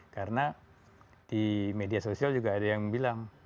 karena di media sosial juga ada yang bilang